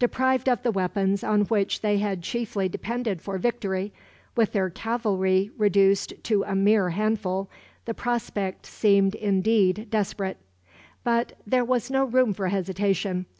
Deprived of the weapons on which they had chiefly depended for victory, with their cavalry reduced to a mere handful, the prospect seemed indeed desperate. But there was no room for hesitation.